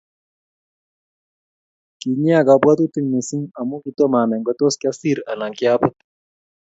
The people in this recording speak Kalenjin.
Kinyia kabwatutik mising amu kitomo anai ngotos kiasir anan kiabut.